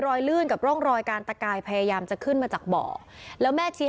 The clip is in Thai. อายุ๖ขวบซึ่งตอนนั้นเนี่ยเป็นพี่ชายมารอเอาน้องชายไปอยู่ด้วยหรือเปล่าเพราะว่าสองคนนี้เขารักกันมาก